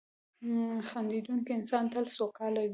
• خندېدونکی انسان تل سوکاله وي.